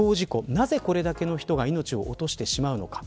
なぜ、これだけの人が命を落としてしまうのか。